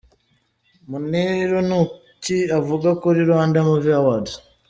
Muniru ni ki avuga kuri Rwanda Movie Awards?.